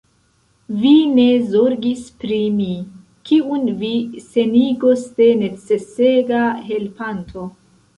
Vi ne zorgis pri mi, kiun vi senigos de necesega helpanto!